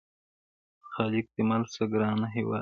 خالق دي مل سه ګرانه هیواده -